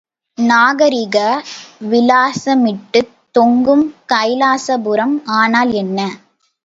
நாகரிக விலாசமிட்டுத் தொங்கும் கைலாசபுரம் ஆனால் என்ன?